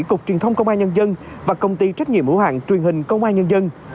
cục truyền thông công an nhân dân và công ty trách nhiệm hữu hạng truyền hình công an nhân dân